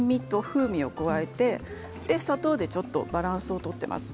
風味を加えて砂糖でバランスを取っています。